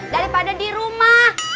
daripada di rumah